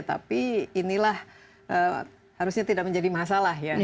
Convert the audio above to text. tapi inilah harusnya tidak menjadi masalah ya